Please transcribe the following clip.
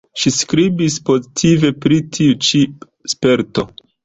Ŝi skribis pozitive pri tiu ĉi sperto.